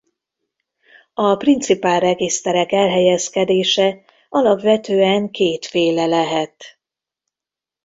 A principál-regiszterek elhelyezkedése alapvetően kétféle lehet.